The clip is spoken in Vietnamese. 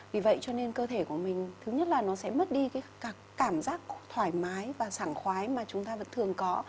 vì vậy cho nên cơ thể của mình thứ nhất là nó sẽ mất đi cái cảm giác thoải mái và sẵn khoái mà chúng ta thường có